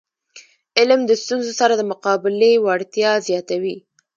علم د ستونزو سره د مقابلي وړتیا زیاتوي.